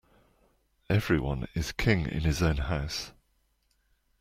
Every one is king in his own house.